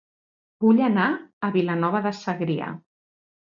Vull anar a Vilanova de Segrià